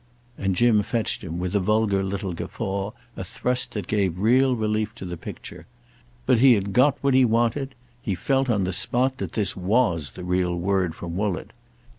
_" And Jim fetched him, with a vulgar little guffaw, a thrust that gave relief to the picture. But he had got what he wanted. He felt on the spot that this was the real word from Woollett.